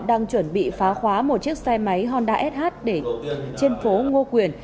đang chuẩn bị phá khóa một chiếc xe máy honda sh trên phố ngo quyền